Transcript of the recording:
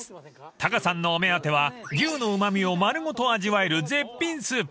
［タカさんのお目当ては牛のうま味を丸ごと味わえる絶品スープ］